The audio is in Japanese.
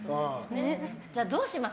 じゃあ、どうします？